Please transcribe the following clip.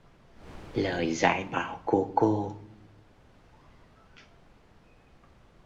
Lời dạy bảo của cô